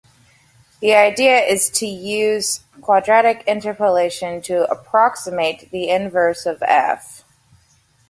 The idea is to use quadratic interpolation to approximate the inverse of "f".